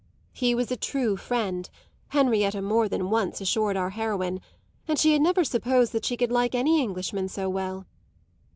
He was a true friend, Henrietta more than once assured our heroine; and she had never supposed that she could like any Englishman so well.